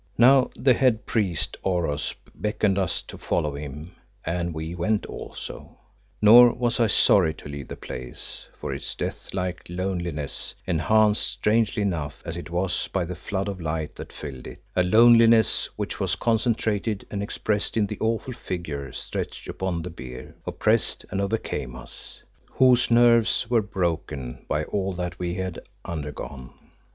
Now the head priest Oros beckoned to us to follow him, and we went also. Nor was I sorry to leave the place, for its death like loneliness enhanced, strangely enough, as it was, by the flood of light that filled it; a loneliness which was concentrated and expressed in the awful figure stretched upon the bier, oppressed and overcame us, whose nerves were broken by all that we had undergone.